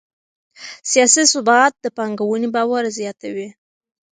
سیاسي ثبات د پانګونې باور زیاتوي